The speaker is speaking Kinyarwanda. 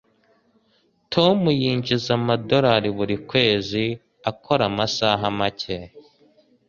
Tom yinjiza amadorari buri kwezi akora amasaha make.